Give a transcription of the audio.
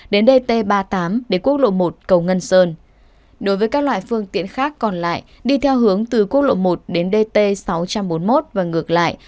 đến dt ba mươi tám để quốc lộ một cầu ngân sơn đối với các loại phương tiện khác còn lại đi theo hướng từ quốc lộ một đến dt sáu trăm bốn mươi một và ngược lại